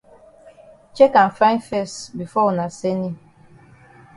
Chek am fine fes before wuna send yi.